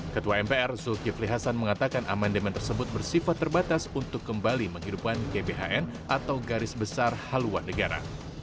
ketua mpr zulkifli hasan mengatakan amandemen tersebut bersifat terbatas untuk kembali menghidupkan gbhn atau garis besar haluan negara